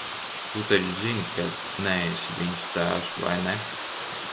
Tu taču zini, ka neesi viņas tēvs, vai ne?